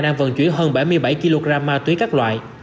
đang vận chuyển hơn bảy mươi bảy kg ma túy các loại